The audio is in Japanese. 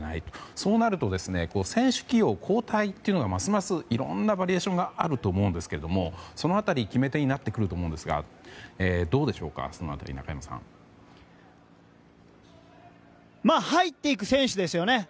そうなると選手起用・交代というのがいろんなバリエーションがあると思いますがその辺り、決め手になってくると思いますがどうでしょうか、その辺り中山さん。入っていく選手ですよね。